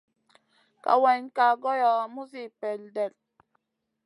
Kawayna ka goy muzi peldet.